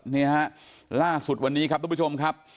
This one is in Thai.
นี่ฮะล่าสุดวันนี้ครับทุกผู้ชมครับ